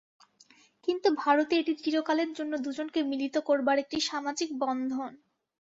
কিন্তু ভারতে এটি চিরকালের জন্য দুজনকে মিলিত করবার একটি সামাজিক বন্ধন।